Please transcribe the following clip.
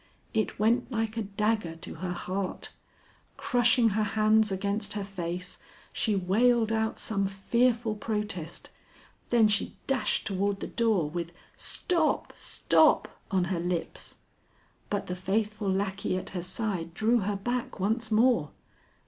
It went like a dagger to her heart. Crushing her hands against her face, she wailed out some fearful protest; then she dashed toward the door with 'Stop! stop!' on her lips. But the faithful lackey at her side drew her back once more.